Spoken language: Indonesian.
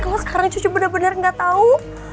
kalau sekarang cucu bener bener gak tau